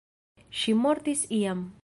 Ŝi mortis jam.